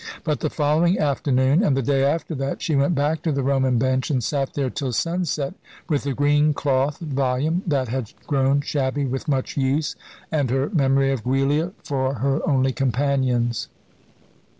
But the following afternoon, and the day after that, she went back to the Roman bench, and sat there till sunset, with the green cloth volume that had grown shabby with much use, and her memory of Giulia, for her only companions.